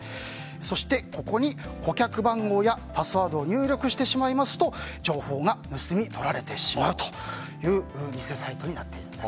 そしてここに顧客番号やパスワードを入力してしまいますと情報が盗み取られてしまうという偽サイトになっています。